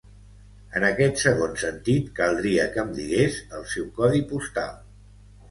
En aquest segon sentit, caldria que em digués el seu codi postal.